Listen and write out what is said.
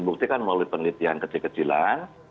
buktikan melalui penelitian kecil kecilan